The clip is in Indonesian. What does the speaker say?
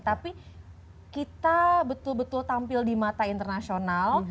tapi kita betul betul tampil di mata internasional